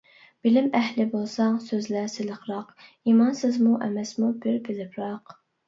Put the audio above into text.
بىلىم ئەھلى بولساڭ سۆزلە سىلىقراق، ئىمانسىزمۇ، ئەمەسمۇ بىر بىلىپراق.